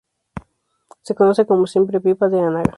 Se conoce como "siempreviva de Anaga".